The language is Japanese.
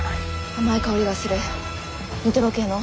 甘い香りがするニトロ系の。